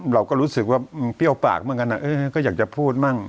เราก็รู้สึกว่ามันเปรี้ยวปากเหมือนกันก็อยากจะพูดมั่ง